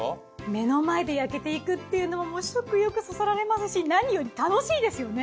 目の前で焼けていくっていうのも食欲そそられますし何より楽しいですよね。